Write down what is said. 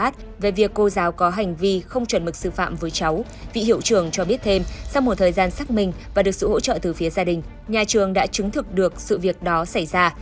sau một thời gian xác minh và được sự hỗ trợ từ phía gia đình nhà trường đã chứng thực được sự việc đó xảy ra